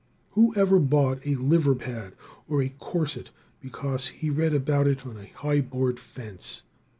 Who ever bought a liver pad or a corset because he read about it on a high board fence?